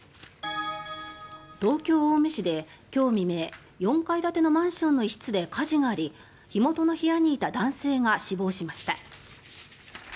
東京・青梅市で今日未明４階建てのマンションの一室で火事があり火元の部屋にいた男性が死亡しました。